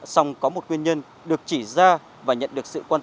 song có một nguyên nhân được chỉ ra và nhận được sự quan tâm